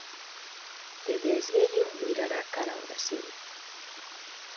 E de esguello mirará cara ao Brasil.